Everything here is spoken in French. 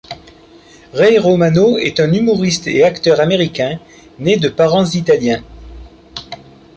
Ray Romano est un humoriste et acteur américain né de parents italiens.